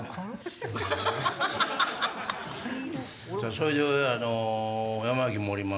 それで。